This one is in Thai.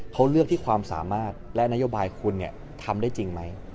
เขาเลือกที่ความสามารถและนโยบายคุณทำได้จริงไหม